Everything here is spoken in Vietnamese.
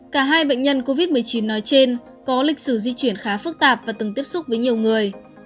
cả hai bệnh nhân covid một mươi chín nói trên có lịch sử di chuyển khá phức tạp và từng tiếp xúc với nhiều người